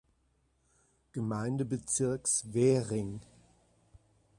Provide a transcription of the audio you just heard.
Gemeindebezirks Währing.